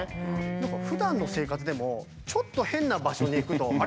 何かふだんの生活でもちょっと変な場所に行くとあれ？